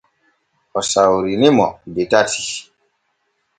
O sawrini mo de tati.